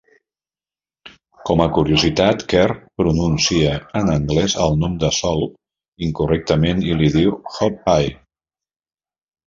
Com a curiositat, Kerr pronuncia en anglès el nom de Sol incorrectament i li diu "hope-y".